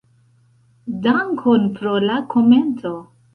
Dankon pro la komento.